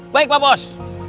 baik pak bos